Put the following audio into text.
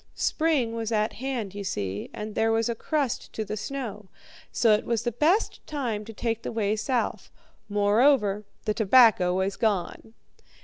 Spring was at hand, you see, and there was a crust to the snow; so it was the best time to take the way south. Moreover, the tobacco was gone.